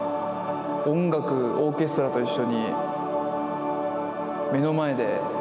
音楽オーケストラと一緒に目の前で。